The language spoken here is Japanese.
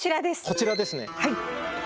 こちらですね。